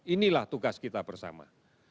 inilah tugas kita bersama